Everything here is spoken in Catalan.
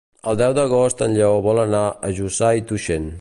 El deu d'agost en Lleó vol anar a Josa i Tuixén.